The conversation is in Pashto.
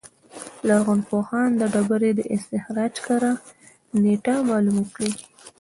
لرغونپوهان د ډبرې د استخراج کره نېټه معلومه کړي.